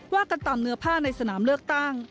ว่ากันตามเนื้อผ้าในสนามเลือกตั้ง